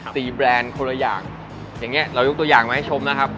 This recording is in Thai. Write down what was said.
แบรนด์คนละอย่างอย่างเงี้เรายกตัวอย่างมาให้ชมนะครับ